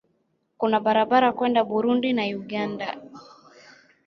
Kuna barabara kwenda Burundi na Uganda.